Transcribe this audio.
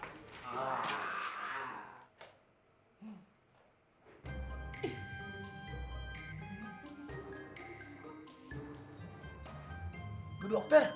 ibu sudah dipecat